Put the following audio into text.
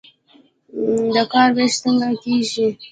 د کار ویش څنګه کیږي؟